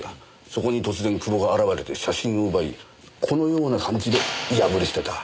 そこに突然久保が現れて写真を奪いこのような感じで破り捨てた。